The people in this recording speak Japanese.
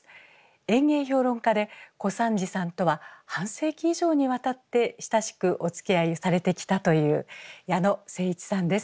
演芸評論家で小三治さんとは半世紀以上にわたって親しくおつきあいされてきたという矢野誠一さんです。